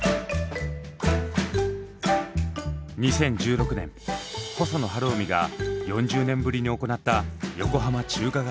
２０１６年細野晴臣が４０年ぶりに行った横浜中華街ライブ。